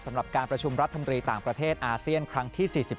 สำหรับการประชุมรัฐมนตรีต่างประเทศอาเซียนครั้งที่๔๑